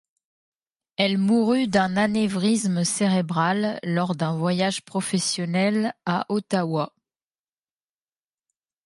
Elle mourut d'un anévrisme cérébral lors d'un voyage professionnel à Ottawa.